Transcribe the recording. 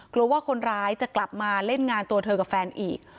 กลัวว่าคนร้ายจะกลับมาเล่นงานตัวเธอกับแฟนอีก